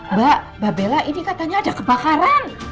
mbak mbak bella ini katanya ada kebakaran